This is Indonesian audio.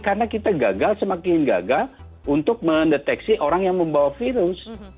karena kita gagal semakin gagal untuk mendeteksi orang yang membawa virus